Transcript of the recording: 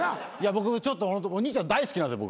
僕ちょっとお兄ちゃん大好きなんですよ。